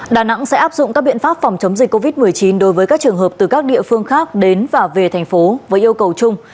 đà nẵng sẽ áp dụng các biện pháp phòng chống dịch covid một mươi chín đối với các trường hợp từ các địa phương khác đến và về thành phố với yêu cầu chung